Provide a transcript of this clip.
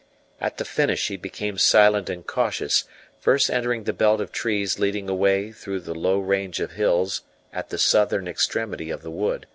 At the finish he became silent and cautious, first entering the belt of trees leading away through the low range of hills at the southern extremity of the wood.